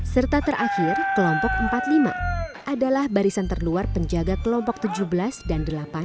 serta terakhir kelompok empat puluh lima adalah barisan terluar penjaga kelompok tujuh belas dan delapan